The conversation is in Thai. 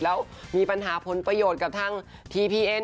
แล้วมีปัญหาผลประโยชน์กับทางทีพีเอ็น